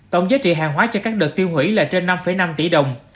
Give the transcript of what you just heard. tổng giá trị hàng hóa cho các đợt tiêu hủy là trên năm năm tỷ đồng